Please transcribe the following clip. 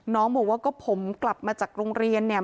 น้องบอกว่าก็ผมกลับมาจากโรงเรียนเนี่ย